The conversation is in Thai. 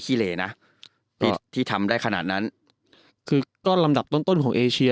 เหลนะที่ที่ทำได้ขนาดนั้นคือก็ลำดับต้นต้นของเอเชีย